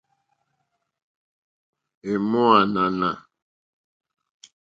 È mò ànànà.